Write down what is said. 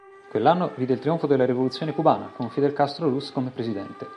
Quell'anno vide il trionfo della rivoluzione cubana, con Fidel Castro Ruz come presidente.